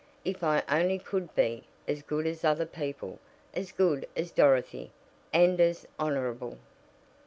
"If I only could be 'as good as other people,' as good as Dorothy, and as honorable!"